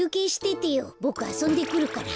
ボクあそんでくるから。